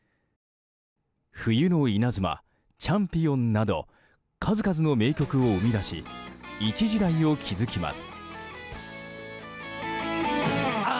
「冬の稲妻」「チャンピオン」など数々の名曲を生み出し一時代を築きます。